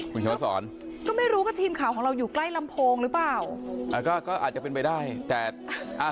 คุณชวสอนก็ไม่รู้ว่าทีมข่าวของเราอยู่ใกล้ลำโพงหรือเปล่าอ่าก็ก็อาจจะเป็นไปได้แต่อ่า